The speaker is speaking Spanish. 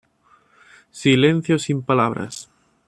Silencio sin palabras